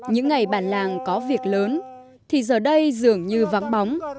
những ngày bản làng có việc lớn thì giờ đây dường như vắng bóng